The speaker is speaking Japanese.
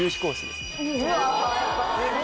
うわ。